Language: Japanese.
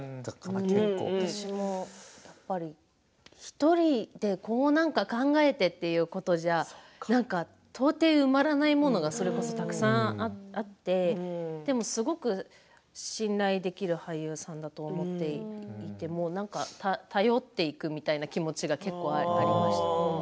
私も結構１人でこう、何か考えてっていうことでは到底、埋まらないものがそれこそたくさんあってでもすごく信頼できる俳優さんだと思っていて頼っていくという気持ちが結構ありました。